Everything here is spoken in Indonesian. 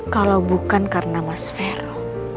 kalau bukan karena mas vero